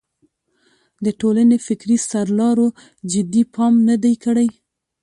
د ټولنې فکري سرلارو جدي پام نه دی کړی.